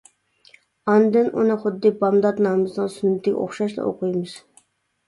ئاندىن ئۇنى خۇددى بامدات نامىزىنىڭ سۈننىتىگە ئوخشاشلا ئوقۇيمىز.